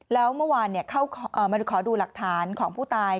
แล้วเมื่อวานเข้ามาขอดูหลักฐานของผู้ตาย